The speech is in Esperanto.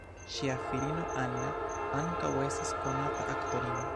Ŝia filino Anna ankaŭ estas konata aktorino.